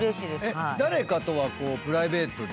誰かとはプライベートで。